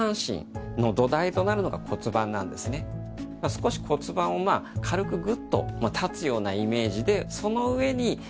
少し骨盤を軽くグッと立つようなイメージで。